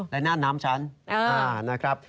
และนั่นน้ำชั้น